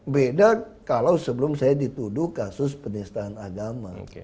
beda kalau sebelum saya dituduh kasus penistaan agama